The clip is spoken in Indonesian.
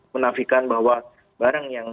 menafikan bahwa barang yang